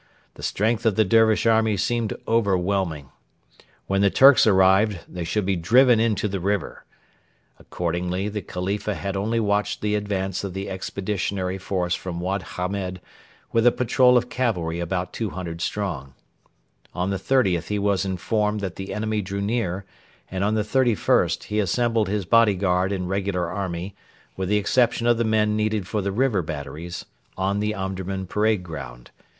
The strength of the Dervish army seemed overwhelming. When the 'Turks' arrived, they should be driven into the river. Accordingly the Khalifa had only watched the advance of the Expeditionary Force from Wad Hamed with a patrol of cavalry about 200 strong. On the 30th he was informed that the enemy drew near, and on the 31st he assembled his bodyguard and regular army, with the exception of the men needed for the river batteries, on the Omdurman parade ground.